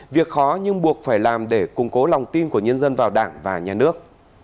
việc khó nhưng buộc phải làm để củng cố lòng tin của nhân dân vào đảng và nhà nước